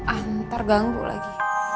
anter ganggu lagi